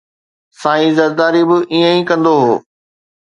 سائين زرداري به ائين ئي ڪندو هو